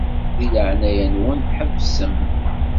Di leɛnaya-nwen ḥebsem.